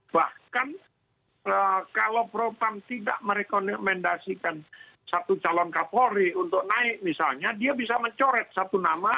bahkan kalau propam tidak merekomendasikan satu calon kapolri untuk naik misalnya dia bisa mencoret satu nama